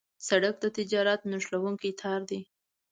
سړک د تجارت نښلونکی تار دی.